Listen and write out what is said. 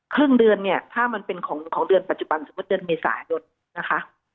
ครึ่งเดือนเนี่ยถ้ามันเป็นของเดือนปัจจุบันสมมุติเดือนเมษายนนะคะ